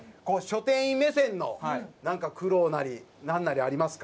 書店員目線のなんか苦労なりなんなりありますか？